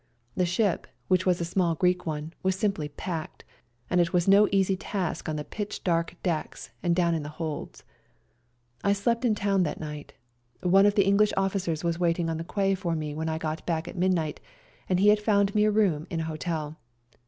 The ship, which was a small Greek one, was simply packed, and it was no easy task on the pitch dark decks and down in the holds. 186 SERBIAN CHRISTMAS DAY I slept in town that night. One of the Enghsh officers was waiting on the quay for me when I got back at midnight, and he had found me room in an hotel.